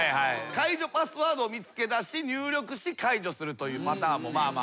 解除パスワードを見つけだし入力し解除するというパターンもまあまああると。